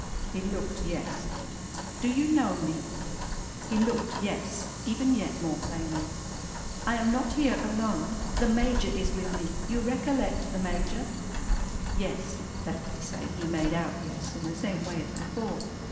He looked yes. "Do you know me?" He looked yes, even yet more plainly. "I am not here alone. The Major is with me. You recollect the Major?" Yes. That is to say he made out yes, in the same way as before.